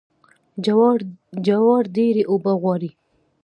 جوار ډیرې اوبه غواړي.